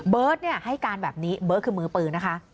ให้การแบบนี้เบิร์ตคือมือปืนนะคะ